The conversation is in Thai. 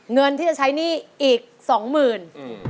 เงินที่จะใช้หนี้อีก๒๐๐๐๐บาท